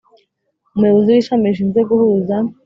Umuyobozi w Ishami rishinzwe guhuza